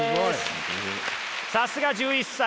さすが１１歳。